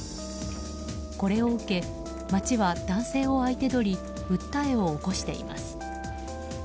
これを受け町は男性を相手取り訴えを起こしています。